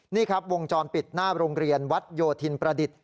นี่ครับวงจรปิดหน้าโรงเรียนวัดโยธินประดิษฐ์